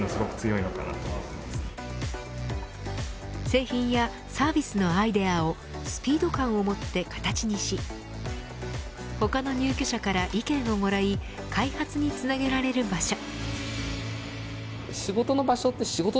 製品やサービスのアイデアをスピード感をもって形にし他の入居者から意見をもらい開発につなげられる場所。